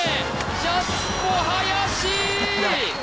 ジャスコ林ー！？